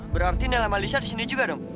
berarti inilah malaysia di sini juga dong